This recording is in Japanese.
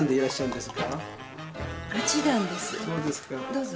どうぞ。